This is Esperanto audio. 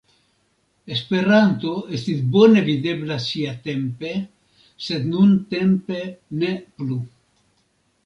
Esperanto estis bone videbla siatempe, sed nuntempe ne plu.